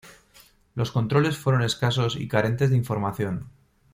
Los controles fueron escasos y carentes de información.